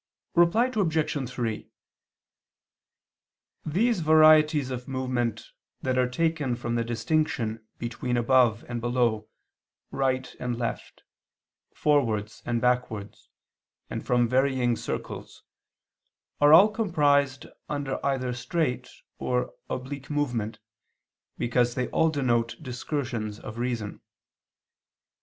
Reply Obj. 3: These varieties of movement that are taken from the distinction between above and below, right and left, forwards and backwards, and from varying circles, are all comprised under either straight [or] oblique movement, because they all denote discursions of reason.